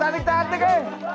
tante tante ke